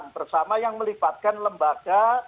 bersama yang melipatkan lembaga